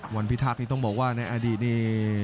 วันผิดภักด์ไม่ต้องบอกว่าในอดีตนี้